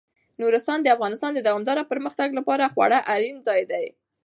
نورستان د افغانستان د دوامداره پرمختګ لپاره خورا اړین ځای دی.